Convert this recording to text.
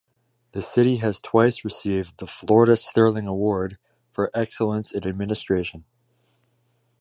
The city has twice received the Florida Sterling Award for excellence in administration.